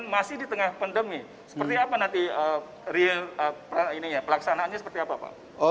dan masih di tengah pandemi seperti apa nanti real pelaksanaannya